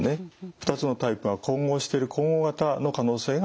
２つのタイプが混合している混合型の可能性があります。